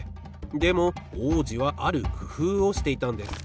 でも王子はあるくふうをしていたんです。